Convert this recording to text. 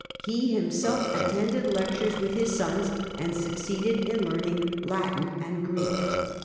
He himself attended lectures with his sons, and succeeded I in learning Latin and Greek.